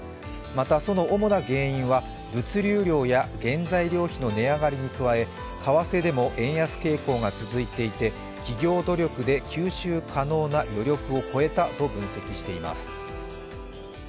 またその主な原因は物流量や原材料費の値上がりに加え為替でも円安傾向が続いていて企業努力で吸収可能な余力を超えたと分析しています。